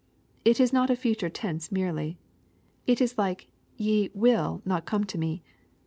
It is not a future tense merely. It is like"Yeio»3 not come to me."